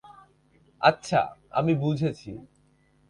আচ্ছা, আমি বুঝেছি।